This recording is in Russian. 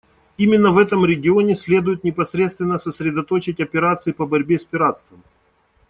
Именно в этом регионе следует непосредственно сосредоточить операции по борьбе с пиратством.